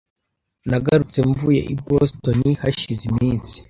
Nagarutse mvuye i Boston hashize iminsi .